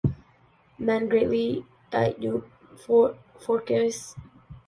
Quantrill's men greatly outnumbered the Union forces.